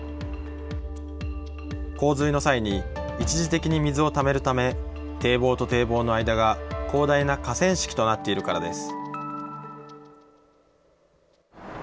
洪水の際に一時的に水をためるため堤防と堤防の間が広大な河川敷となっているからです。